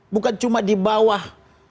bukan cuma di bawah